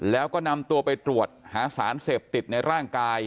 แล้วก็นำตัวไปตรวจหาสารเสพติดในร่างกาย